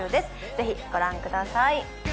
ぜひご覧ください。